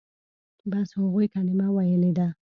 بس هغوى کلمه ويلې ده.